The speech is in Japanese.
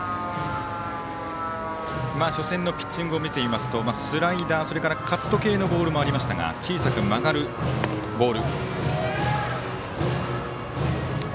初戦のピッチングを見ていますとスライダー、それからカット系のボールもありましたが小さく曲がるボール。